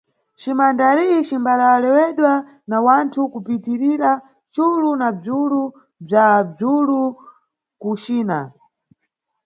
CiMandarim cimbalewalewedwa na wanthu kupitirira culu na bzwulu bzwa bzwulu ku China.